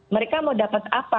mereka mau dapat apa